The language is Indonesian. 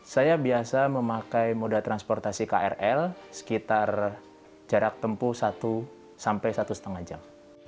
saya biasa memakai moda transportasi krl sekitar jarak tempuh satu sampai satu lima jam